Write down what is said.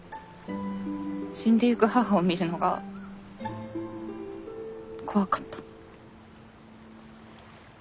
死んでゆく母を見るのが怖かった。